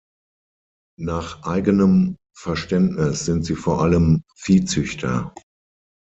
Nach eigenem Verständnis sind sie vor allem Viehzüchter.